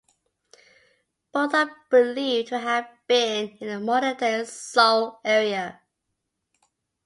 Both are believed to have been in the modern-day Seoul area.